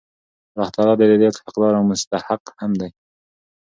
الله تعالی د دي حقدار او مستحق هم دی